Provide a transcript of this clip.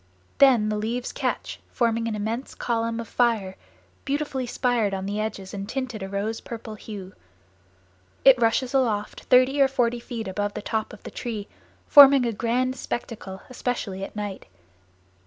Then the leaves catch forming an immense column of fire, beautifully spired on the edges and tinted a rose purple hue. It rushes aloft thirty or forty feet above the top of the tree, forming a grand spectacle, especially at night.